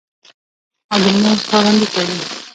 او د لمونځ پابندي کوي